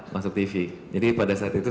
masuk tv jadi pada saat itu